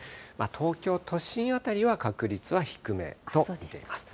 東京都心辺りは確率は低めと見ています。